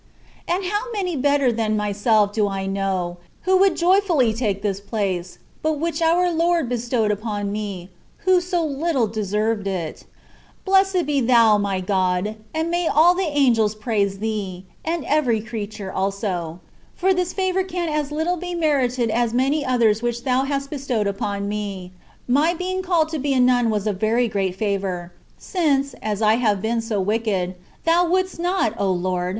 And how many better than myself do I know, who would joyfully take this place, but which oui Lord bestowed upon me, who so little deserve it ! Blessed be thou, my God, and may all the angels praise Thee, and every creature also; for this favour can as little be merited as many others which Thou hast bestowed upon me: my being called to be a nun was a very great favour ; since, as I have been so wicked. Thou wouldst not, O Lord!